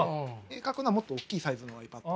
描くのはもっと大きいサイズのｉＰａｄ。